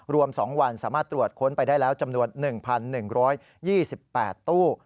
รวม๒วันสามารถตรวจค้นไปได้แล้วจำนวน๑๑๒๘ตู้